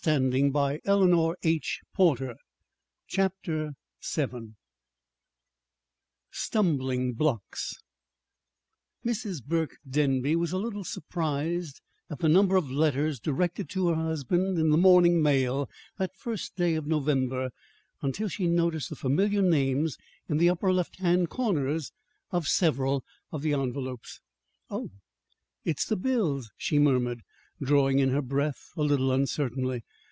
And she was doing splendidly! CHAPTER VII STUMBLING BLOCKS Mrs. Burke Denby was a little surprised at the number of letters directed to her husband in the morning mail that first day of November, until she noticed the familiar names in the upper left hand corners of several of the envelopes. "Oh, it's the bills," she murmured, drawing in her breath a little uncertainly.